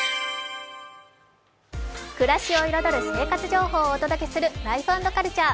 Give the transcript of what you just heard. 暮らしを彩る生活情報をお届けする「ライフ＆カルチャー」。